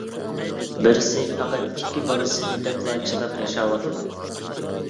بىرسى پەقەت ئىككى بالىسىنى دەپلا چىداپ ياشاۋاتىدۇ.